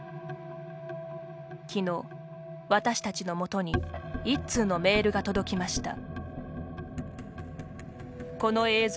きのう、私たちのもとに１通のメールが届きました。